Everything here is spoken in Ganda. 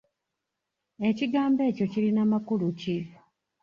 Ekigambo ekyo kirina makulu ki?